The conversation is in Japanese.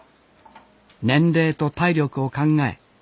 年齢と体力を考え